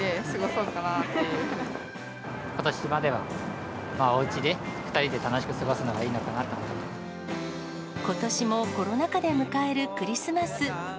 ことしまではおうちで、２人で楽しく過ごすのがいいのかことしもコロナ禍で迎えるクリスマス。